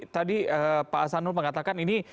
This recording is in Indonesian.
tadi pak asanul mengatakan ini